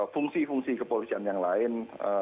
fungsi fungsi kepolisian yang lain